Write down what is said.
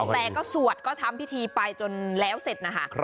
แต่ก็สวดทำพิธีไปจนแล้วสิทธิ์